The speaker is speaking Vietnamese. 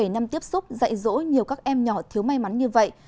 một mươi bảy năm tiếp xúc dạy dỗ nhiều các em nhỏ thiếu may mắn như vậy